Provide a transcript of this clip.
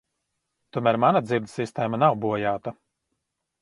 Tomēr mana dzirdes sistēma nav bojāta.